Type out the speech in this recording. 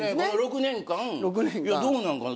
６年間どうなんかな。